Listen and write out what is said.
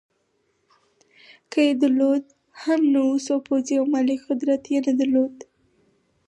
که یې درلود هم نو وس او پوځي او مالي قدرت یې نه درلود.